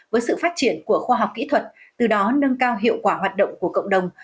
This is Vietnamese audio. với sự phát triển của khoa học kỹ thuật từ đó nâng cao hiệu quả hoạt động của cộng đồng